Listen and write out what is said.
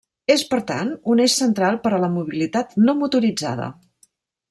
És, per tant, un eix central per a la mobilitat no motoritzada.